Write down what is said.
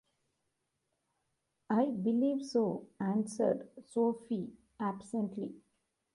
"I believe so," answered Sophie absently.